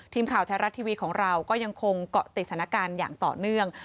ทีมข่าวแท้รัฐทีวีของเราก็ยังคงเกาะติดสถานการณ์อย่างต่อเนื่อง